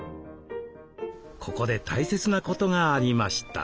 ここで大切なことがありました。